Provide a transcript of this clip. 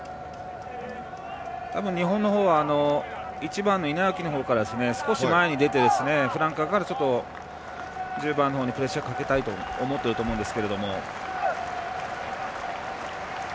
日本は１番の稲垣のほうから少し前に出て、フランカーから１０番のほうにプレッシャーをかけたいと思っていると思います。